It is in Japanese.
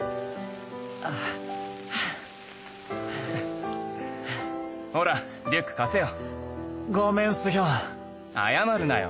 あっはぁはぁほらリュック貸せよごめんスヒョン謝るなよ